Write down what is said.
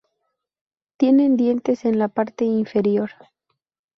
Tienen dientes en la parte inferior.